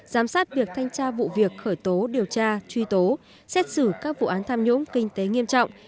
giám sát việc thanh tra vụ việc khởi tố điều tra truy tố xét xử các vụ án tham nhũng kinh tế nghiêm trọng